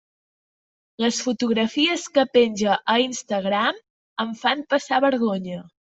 Les fotografies que penja a Instagram em fan passar vergonya.